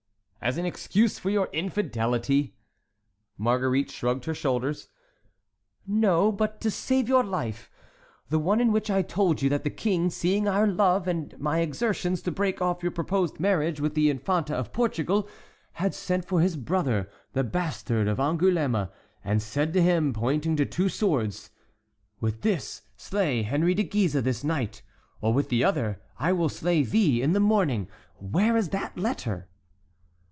"As an excuse for your infidelity?" Marguerite shrugged her shoulders. "No; but to save your life. The one in which I told you that the king, seeing our love and my exertions to break off your proposed marriage with the Infanta of Portugal, had sent for his brother, the Bastard of Angoulême, and said to him, pointing to two swords, 'With this slay Henry de Guise this night, or with the other I will slay thee in the morning.' Where is that letter?"